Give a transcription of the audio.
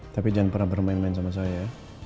tapi jangan pernah bermain main sama saya